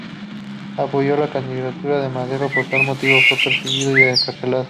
Apoyó la candidatura de Madero, por tal motivo fue perseguido y encarcelado.